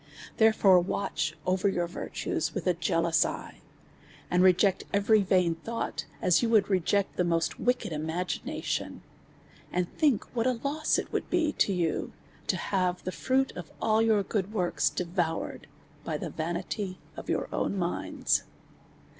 Therefore, watcli over your virtues with a jealous eye, and reject every vain thought, as you would re ject the most wicked imaginations ; and think what a loss it would be to you, to have the fruit of all your good works devoured by the vanity of your own minds.